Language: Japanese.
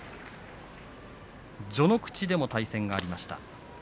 序ノ口でも対戦がありました。